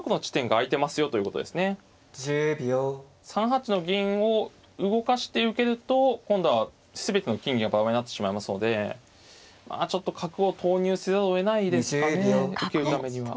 ３八の銀を動かして受けると今度は全ての金銀がバラバラになってしまいますのでちょっと角を投入せざるをえないですかね生きるためには。